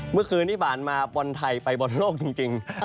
เมื่อคืนที่ผ่านมาบอลไทยไปบอลโลกจริง